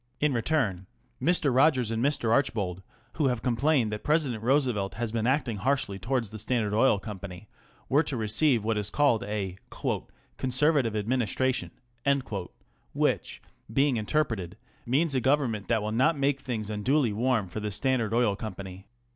In return Mr. Rogers and Mr. Archbold, who have complained that President Roosevelt has been acting harshly towards the Standard Oil Company, were to receive what is called a " Conservative Administra tion," which, being interpreted, means a Government that will not make things unduly warm for the Standard Oil Company.